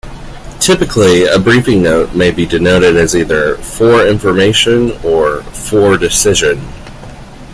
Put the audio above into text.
Typically, a briefing note may be denoted as either "for information" or "for decision".